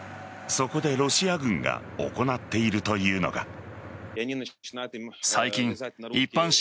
そこでロシア軍が行っているというのが。